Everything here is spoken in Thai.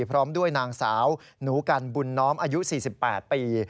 พร้อมด้วยนางสาวหนูกันบุญน้อมอายุ๔๘ปี